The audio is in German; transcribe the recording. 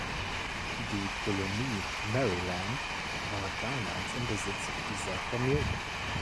Die Kolonie Maryland war damals im Besitz dieser Familie.